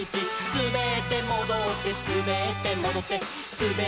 「すべってもどってすべってもどって」